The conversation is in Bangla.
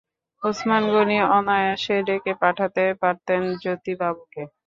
ওসমান গনি অনায়াসে ডেকে পাঠাতে পারতেন জ্যোতিবাবুকে।